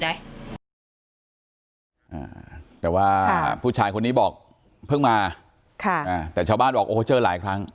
เดี๋ยวว่าผู้ชายคนนี้พึ่งมาแต่ชาวบ้านแปลว่าเจอหลายครั้ง